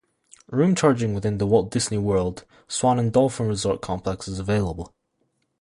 Room charging within the Walt Disney World Swan and Dolphin Resort Complex is available.